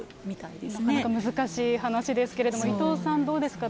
なかなか難しい話ですけれども、伊藤さん、どうですか。